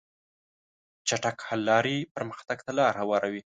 چټک حل لارې پرمختګ ته لار هواروي.